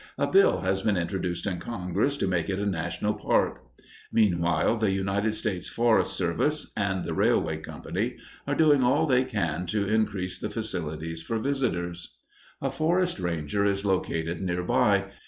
A bill has been introduced in Congress to make it a national park. Meanwhile, the United States Forest Service and the railway company are doing all they can to increase the facilities for visitors. A forest ranger is located near by.